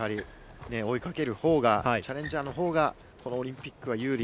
追いかけるほうがチャレンジャーのほうがこのオリンピックは有利。